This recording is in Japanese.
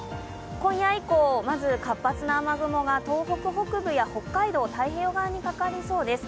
今夜以降、まず活発な雨雲が東北北部や北海道太平洋側にかかりそうです。